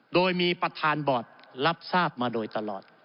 โดยมีประธานบอร์ดรับทราบมาโดยตลอด